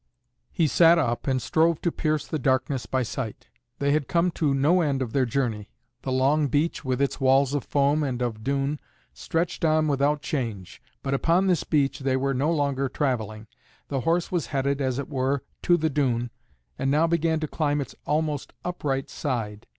He sat up and strove to pierce the darkness by sight. They had come to no end of their journey. The long beach, with its walls of foam and of dune, stretched on without change. But upon this beach they were no longer travelling; the horse was headed, as it were, to the dune, and now began to climb its almost upright side.